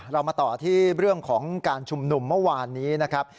เรามาต่อที่เรื่องของการชุมนุมเมื่อวานนี้นะครับ